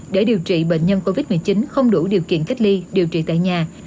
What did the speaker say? để điều trị bệnh nhân covid một mươi chín không đủ điều kiện cách ly điều trị tại nhà